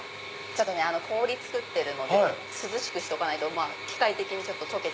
氷作ってるので涼しくないと機械的に解けちゃう。